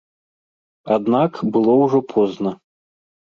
Аднак было ўжо позна.